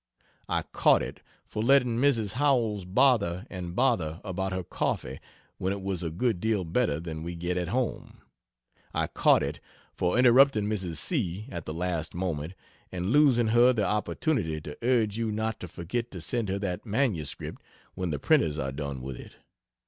I "caught it" for letting Mrs. Howells bother and bother about her coffee when it was "a good deal better than we get at home." I "caught it" for interrupting Mrs. C. at the last moment and losing her the opportunity to urge you not to forget to send her that MS when the printers are done with it.